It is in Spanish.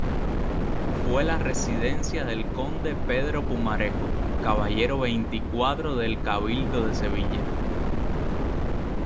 Fue la residencia del conde Pedro Pumarejo, caballero veinticuatro del Cabildo de Sevilla.